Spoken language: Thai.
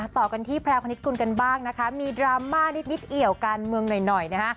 ต่อกันที่แพรวพณิตกุลกันบ้างนะคะมีดราม่านิดเอี่ยวการเมืองหน่อยนะฮะ